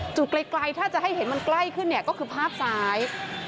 ไกลถ้าจะให้เห็นมันใกล้ขึ้นเนี่ยก็คือภาพซ้าย